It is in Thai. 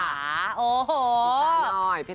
โฮหู